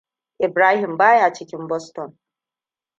Ibrahim baya cikin Boston.